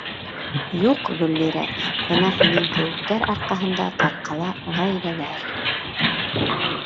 Юҡ, Гөллирә, бына һинең кеүектәр арҡаһында тарҡала ғаиләләр.